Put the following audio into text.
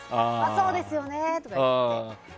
そうですよねとか言って。